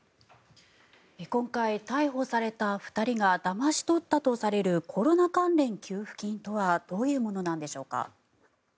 今回、逮捕された２人がだまし取ったとされるコロナ関連給付金とはどういうものなんでしょうか。